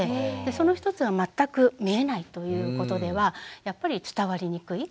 その一つは全く見えないということではやっぱり伝わりにくい。